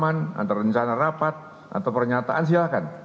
antara rencana rapat atau pernyataan silahkan